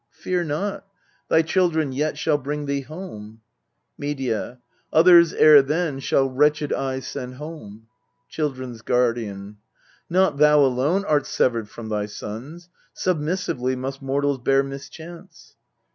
Fear not : thy children yet shall bring thee home. Medea. Others ere then shall wretched I send home. Children's Guardian. Not thou alone art severed from thy sons. Submissively must mortals bear mischance.